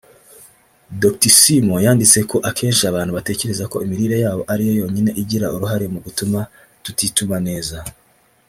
Doctissimo yanditse ko akenshi bantu batekereza ko imirire yabo ariyo yonyine igira uruhare mu gutuma tutituma neza